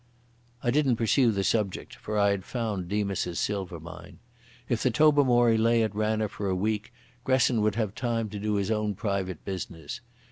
I didn't pursue the subject, for I had found Demas's silver mine. If the Tobermory lay at Ranna for a week, Gresson would have time to do his own private business.